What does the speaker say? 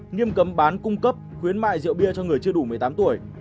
nghiêm cấm bán cung cấp khuyến mại rượu bia cho người chưa đủ một mươi tám tuổi